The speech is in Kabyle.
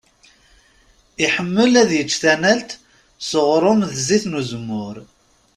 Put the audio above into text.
Iḥemmel ad icc tanalt s uɣrum d zzit n uzemmur.